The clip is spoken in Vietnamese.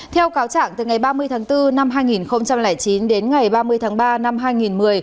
theo cáo trạng từ ngày ba mươi tháng bốn năm hai nghìn chín đến ngày ba mươi tháng ba năm hai nghìn một mươi